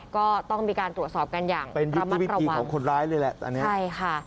ก็ต้องมีการตรวจสอบกันอย่างระมัดระวังเป็นวิธีของคนร้ายเลยแหละ